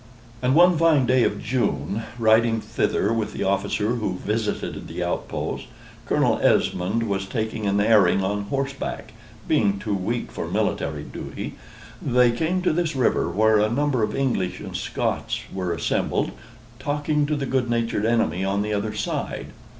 And one fine day of June, riding thither with the officer who visited the outposts, (Colonel Esmond was taking an airing on horseback, being too weak for military duty,) they came to this river, where a number of English and Scots were assembled, talking to the good natured enemy on the other side.